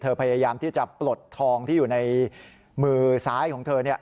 พยายามที่จะปลดทองที่อยู่ในมือซ้ายของเธอเนี่ย